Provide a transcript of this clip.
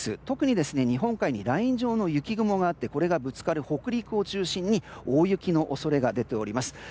特に日本海にライン状の雪雲があってこれがぶつかる北陸を中心に大雪の恐れが出ています。